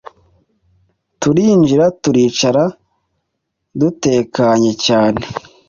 turinjira turicara dutekanye cyane